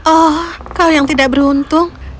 oh kau yang tidak beruntung